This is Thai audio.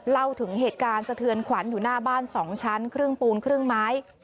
เล่าถึงเหตุการณ์สะเทือนขวัญอยู่หน้าบ้าน๒ชั้นครึ่งปูนครึ่งไม้